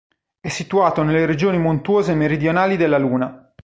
È situato nelle regioni montuose meridionali della Luna.